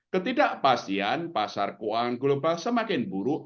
ketidakpastian pasar keuangan global semakin buruk